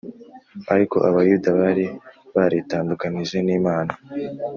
Ariko Abayuda bari baritandukanije n’Imana.